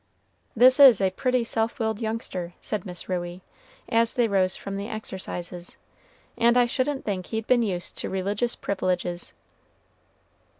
"This is a pretty self willed youngster," said Miss Ruey, as they rose from the exercises, "and I shouldn't think he'd been used to religious privileges."